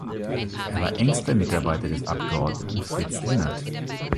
Er war engster Mitarbeiter des Abgeordneten Fritz Linnert.